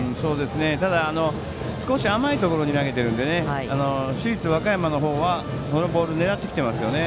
ただ、少し甘いところに投げているので市立和歌山の方は、そのボールを狙ってきていますよね。